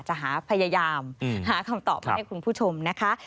จะหาพยายามหาคำตอบมาให้คุณผู้ชมนะคะ